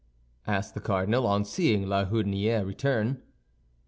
asked the cardinal, on seeing La Houdinière return.